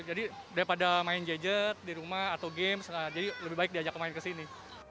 jadi daripada main gadget di rumah atau game jadi lebih baik diajak main kesini